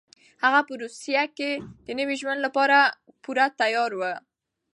هغه په روسيه کې د نوي ژوند لپاره پوره تيار و.